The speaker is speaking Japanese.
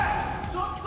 ・ちょっと！